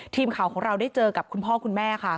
ทีมข่าวของเราได้เจอกับคุณพ่อคุณแม่ค่ะ